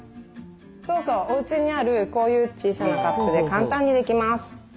そうそうおうちにあるこういう小さなカップで簡単にできます。